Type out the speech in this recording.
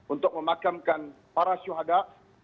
untuk memakamkan para syuhada